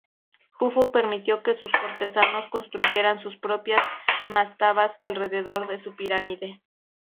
Jufu permitió que sus cortesanos construyeran sus propias mastabas alrededor de su pirámide.